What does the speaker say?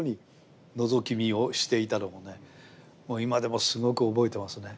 今でもすごく覚えてますね。